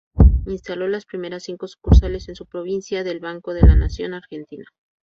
Instaló las primeras cinco sucursales en su provincia del Banco de la Nación Argentina.